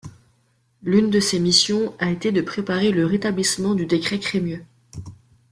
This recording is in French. L'une de ses missions a été de préparer le rétablissement du décret Crémieux.